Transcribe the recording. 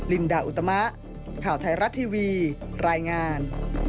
ลินดาอุตมะข่าวไทยรัฐทีวีรายงาน